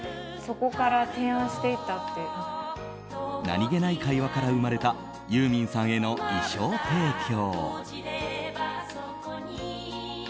何気ない会話から生まれたユーミンさんへの衣装提供。